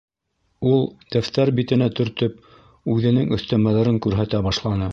Ул, дәфтәр битенә төртөп, үҙенең өҫтәмәләрен күрһәтә башланы.